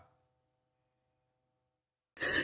ชื่อรับสุข